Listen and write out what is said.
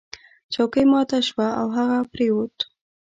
چوکۍ ماته شوه او هغه پریوت.